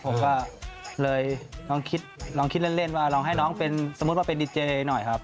ผมก็เลยลองคิดลองคิดเล่นว่าลองให้น้องเป็นสมมุติว่าเป็นดีเจหน่อยครับ